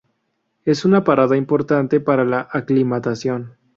Es una parada importante para la aclimatación.